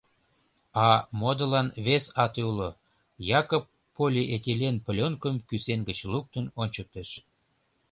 А модылан вес ате уло, — Якып полиэтилен плёнкым кӱсен гыч луктын ончыктыш.